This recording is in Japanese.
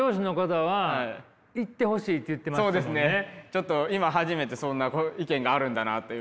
ちょっと今初めてそんな意見があるんだなという。